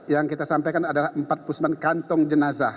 yang kita sampaikan adalah empat pusman kantong jenazah